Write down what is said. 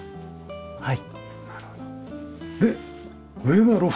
はい。